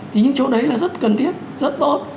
thế nhưng chỗ đấy là rất cần thiết rất tốt